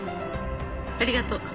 ありがとう。